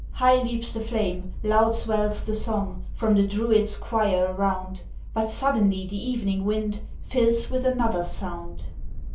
High leaps the flame, loud swells the song, From the Druids' choirs around; But suddenly the evening wind Fills with another sound!